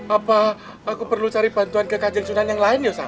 apa aku perlu cari bantuan ke kajeng sunan yang lain yos sam